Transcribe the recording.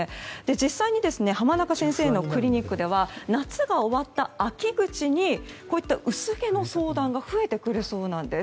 実際に浜中先生のクリニックでは夏が終わった秋口にこういった薄毛の相談が増えてくるそうなんです。